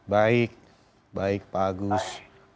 baik baik pak agus